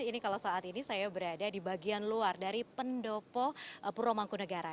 ini kalau saat ini saya berada di bagian luar dari pendopo purwomangkunegara